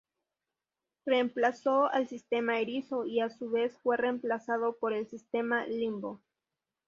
Reemplazó al sistema Erizo, y a su vez fue reemplazado por el sistema "Limbo".